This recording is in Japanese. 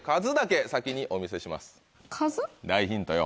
大ヒントよ